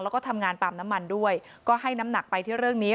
แล้วก็ทำงานปั๊มน้ำมันด้วยก็ให้น้ำหนักไปที่เรื่องนี้